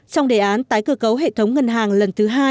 trong đề án tái cơ cấu hệ thống ngân hàng lần thứ hai